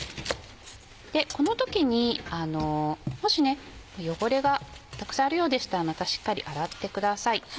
この時にもし汚れがたくさんあるようでしたらまたしっかり洗ってください。